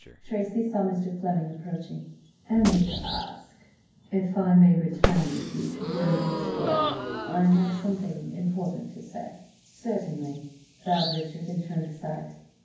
Tracy saw Mr. Fleming approaching "Only to ask if I may return with you to Grosvenor Square. I have something important to say." "Certainly," bowed Richard, and turned aside.